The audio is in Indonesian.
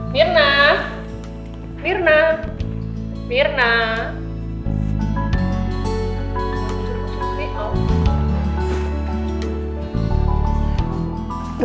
pokoknya si mirna masih